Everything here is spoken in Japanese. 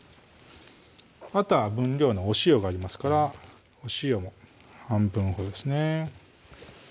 あとは分量のお塩がありますからお塩も半分ほどですね